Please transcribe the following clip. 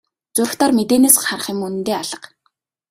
Зурагтаар мэдээнээс харах юм үнэндээ алга.